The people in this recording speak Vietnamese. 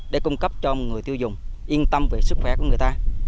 để cung cấp cho người tiêu dùng yên tâm về sức khỏe của người ta